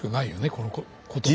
この言葉は。